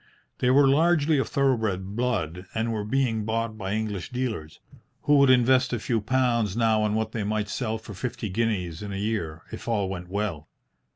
They were largely of thoroughbred blood, and were being bought by English dealers, who would invest a few pounds now on what they might sell for fifty guineas in a year, if all went well.